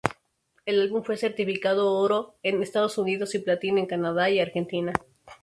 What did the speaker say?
El álbum fue certificado oro en Estados Unidos y platino en Canadá y argentina.